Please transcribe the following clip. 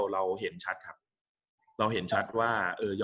กับการสตรีมเมอร์หรือการทำอะไรอย่างเงี้ย